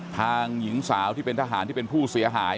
หญิงสาวที่เป็นทหารที่เป็นผู้เสียหาย